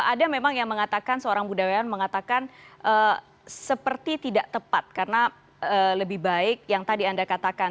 ada memang yang mengatakan seorang budayawan mengatakan seperti tidak tepat karena lebih baik yang tadi anda katakan